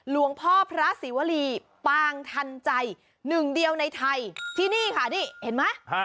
หลวงพ่อพระศรีวรีปางทันใจหนึ่งเดียวในไทยที่นี่ค่ะนี่เห็นไหม